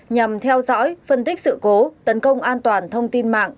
nhằm theo dõi phân tích sự cố tấn công an toàn thông tin mạng